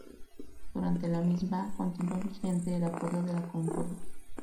Durante la misma, continuó vigente el Acuerdo de la Concordia.